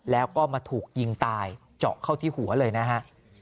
แล้วก็มาถูกยิงตายเจาะเข้าที่หัวเลยนะฮะ